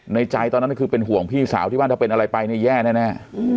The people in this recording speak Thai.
ในใจตอนนั้นคือเป็นห่วงพี่สาวที่บ้านถ้าเป็นอะไรไปเนี่ยแย่แน่